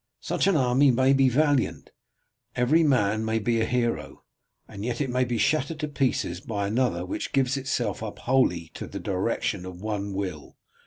Such an army may be valiant; every man may be a hero, and yet it may be shattered to pieces by another which gives itself up wholly to the direction of one will.